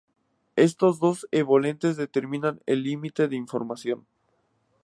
Estos dos envolventes determinar el límite de información.